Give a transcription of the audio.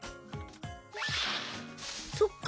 そっか。